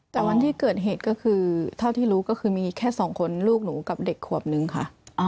แต่วันที่เกิดเหตุก็คือเท่าที่รู้ก็คือมีแค่สองคนลูกหนูกับเด็กขวบนึงค่ะ